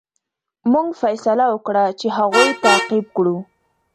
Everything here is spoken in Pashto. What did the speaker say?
موږ فیصله وکړه چې هغوی تعقیب کړو.